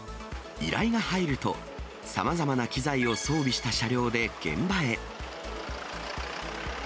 依頼が入ると、さまざまな機材を装備した車両で現場へ。